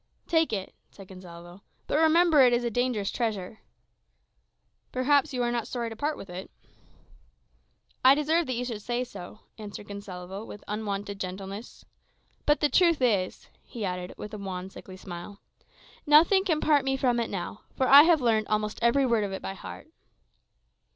"Take it," said Gonsalvo; "but remember it is a dangerous treasure." "Perhaps you are not sorry to part with it?" "I deserve that you should say so," answered Gonsalvo, with unwonted gentleness. "But the truth is," he added, with a wan, sickly smile, "nothing can part me from it now, for I have learned almost every word of it by heart."